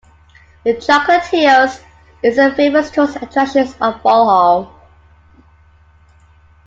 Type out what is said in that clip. The Chocolate Hills is a famous tourist attraction of Bohol.